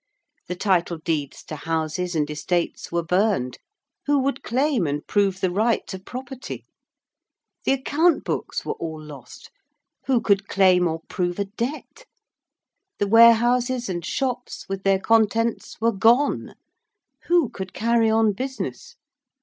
The title deeds to houses and estates were burned who would claim and prove the right to property? The account books were all lost who could claim or prove a debt? The warehouses and shops with their contents were gone who could carry on business?